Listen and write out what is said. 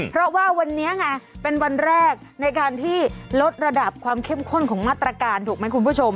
เพราะว่าวันนี้ไงเป็นวันแรกในการที่ลดระดับความเข้มข้นของมาตรการถูกไหมคุณผู้ชม